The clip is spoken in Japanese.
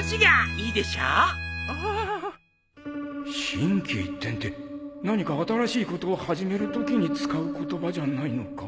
心機一転って何か新しいことを始めるときに使う言葉じゃないのか？